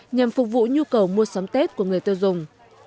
nhằm phục vụ nhu cầu mua sắm tết của người tiêu dùng